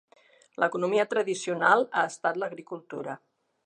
L'economia tradicional ha estat l'agricultura.